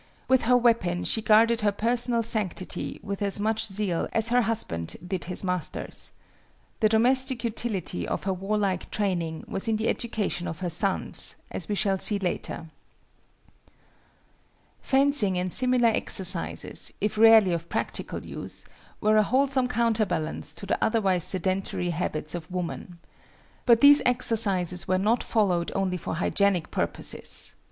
With her weapon she guarded her personal sanctity with as much zeal as her husband did his master's. The domestic utility of her warlike training was in the education of her sons, as we shall see later. [Footnote 24: Lecky, History of European Morals II, p. 383.] Fencing and similar exercises, if rarely of practical use, were a wholesome counterbalance to the otherwise sedentary habits of woman. But these exercises were not followed only for hygienic purposes.